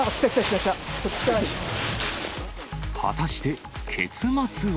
果たして結末は。